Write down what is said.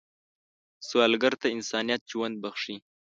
سوالګر ته انسانیت ژوند بښي